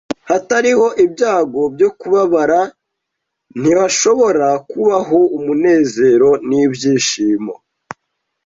Hatariho ibyago byo kubabara, ntihashobora kubaho umunezero n'ibyishimo.